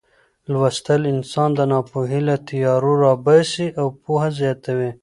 لوستل انسان د ناپوهۍ له تیارو راباسي او پوهه زیاتوي.